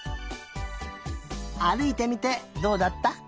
あるいてみてどうだった？